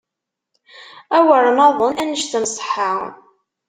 Awer naḍen, annect nṣeḥḥa!